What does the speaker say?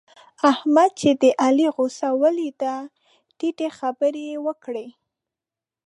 احمد چې د علي غوسه وليده؛ ټيټه خبره يې وکړه.